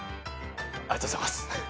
ありがとうございます。